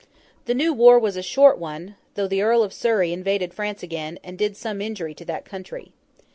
The new war was a short one, though the Earl of Surrey invaded France again, and did some injury to that country.